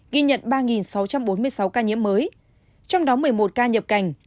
ghi nhận ba sáu trăm bốn mươi sáu ca nhiễm mới trong đó một mươi một ca nhập cảnh